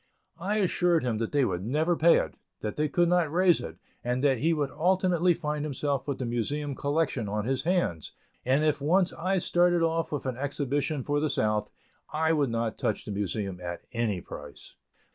I assured him that they would never pay it, that they could not raise it, and that he would ultimately find himself with the Museum collection on his hands, and if once I started off with an exhibition for the South, I would not touch the Museum at any price.